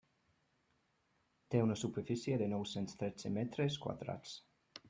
Té una superfície de nou-cents tretze metres quadrats.